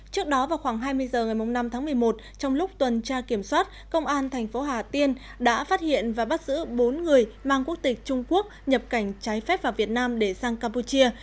trước đó vào khoảng hai mươi h ngày năm tháng một mươi một trong lúc tuần tra kiểm soát công an thành phố hà tiên đã phát hiện và bắt giữ bốn người mang quốc tịch trung quốc nhập cảnh trái phép vào việt nam để sang campuchia